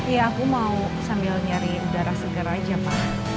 iya aku mau sambil nyari udara segar aja ma